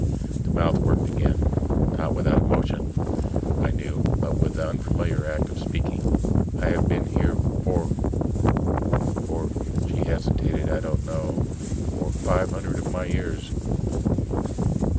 The mouth worked again not with emotion, I knew, but with the unfamiliar act of speaking. "I have been here for for " she hesitated "I don't know. For five hundred of my years."